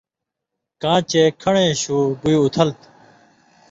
کاں چے کھن٘ڑیں شُو بُوئ اُتھل تھہ۔